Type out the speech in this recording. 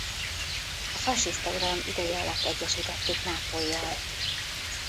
A fasiszta uralom ideje alatt egyesítették Nápollyal.